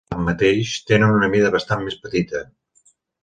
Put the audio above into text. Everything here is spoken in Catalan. Tanmateix, tenen una mida bastant més petita.